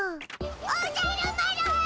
おじゃる丸！